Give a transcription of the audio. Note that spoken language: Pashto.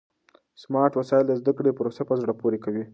سمارټ وسایل د زده کړې پروسه په زړه پورې کوي.